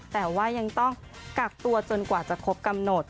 แต่ว่ายังต้องกักตัวจนกว่าจะครบกำหนด